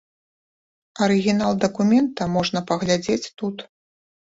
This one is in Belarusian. Арыгінал дакумента можна паглядзець тут.